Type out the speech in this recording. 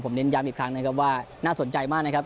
เน้นย้ำอีกครั้งนะครับว่าน่าสนใจมากนะครับ